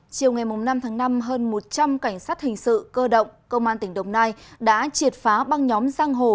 chiều ngày năm tháng năm hơn một trăm linh cảnh sát hình sự cơ động công an tỉnh đồng nai đã triệt phá băng nhóm giang hồ